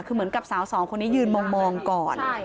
คือเหมือนกับสาวสองคนนี้ยืนมองก่อน